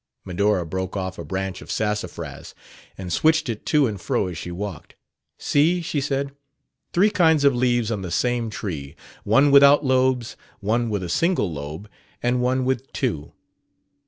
Medora broke off a branch of sassafras and swished it to and fro as she walked. "See," she said; "three kinds of leaves on the same tree: one without lobes, one with a single lobe, and one with two."